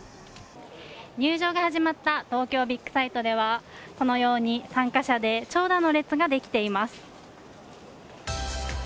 入場が始まった東京ビッグサイトではこのように参加者で長蛇の列ができています。